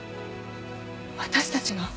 私たちが。